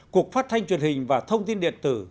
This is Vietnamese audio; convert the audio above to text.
cục phát thanh truyền hình và thông tin điện tử